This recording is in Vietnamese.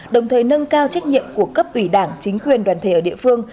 đồng thời nâng cao trách nhiệm của cấp ủy đảng chính quyền đoàn thể ở địa phương